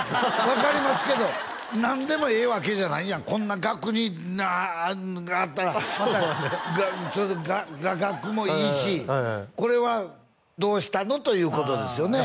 分かりますけど何でもええわけじゃないやんこんな額にあったらまたちょうど画角もいいしこれはどうしたの？ということですよね